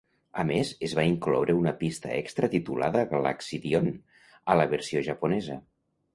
A més, es va incloure una pista extra titulada "Galaxidion" a la versió japonesa.